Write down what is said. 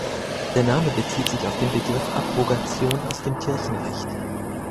Der Name bezieht sich auf den Begriff Abrogation aus dem Kirchenrecht.